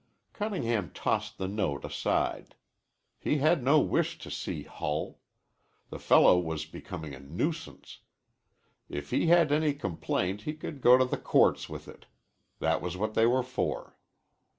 Cunningham tossed the note aside. He had no wish to see Hull. The fellow was becoming a nuisance. If he had any complaint he could go to the courts with it. That was what they were for.